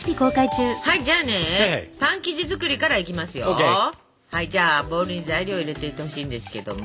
じゃあボウルに材料を入れていってほしいんですけども。